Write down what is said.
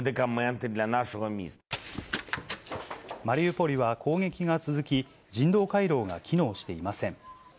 マリウポリは攻撃が続き、人道回廊が機能していません。